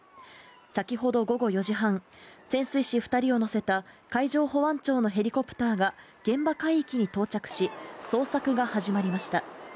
先ほど午後４時半、潜水士２人を乗せた海上保安庁のヘリコプターが現場海域に到着し捜索が始まりました。